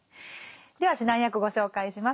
では指南役ご紹介します。